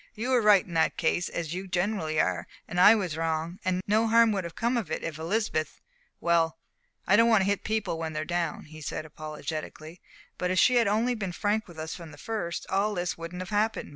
"You were right in that case, as you generally are, and I was wrong; and no harm would have come of it if Elizabeth well, I don't want to hit people when they're down," he said, apologetically "but if she had only been frank with us from the first, all this wouldn't have happened.